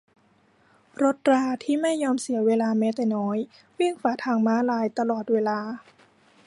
รถราที่ไม่ยอมเสียเวลาแม้แต่น้อย วิ่งฝ่าทางม้าลายตลอดเวลา